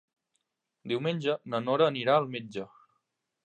Diumenge na Nora anirà al metge.